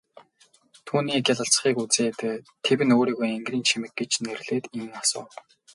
Түүний гялалзахыг үзээд тэвнэ өөрийгөө энгэрийн чимэг гэж нэрлээд ийн асуув.